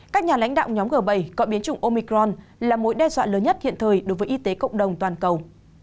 các nhà lãnh đạo nhóm g bảy gọi biến chủng omicron là mối đe dọa lớn nhất hiện thời đối với y tế cộng đồng toàn cầu